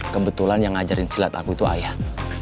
kebetulan yang ngajarin silat aku itu ayah